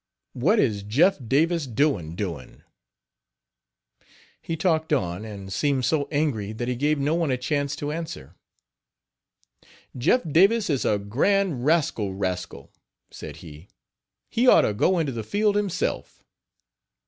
What is Jeff Davis doin' doin'?" He talked on, and seemed so angry that he gave no one a chance to answer: "Jeff Davis is a grand rascal rascal," said he, "he ought to go into the field himself.